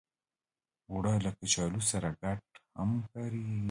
اوړه له کچالو سره ګډ هم کارېږي